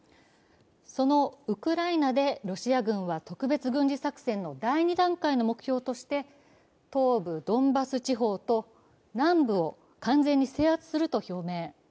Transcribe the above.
そのウクライナでロシア軍は特別軍事作戦の第２段階の目標として東部ドンバス地方と南部を完全に制圧すると表明。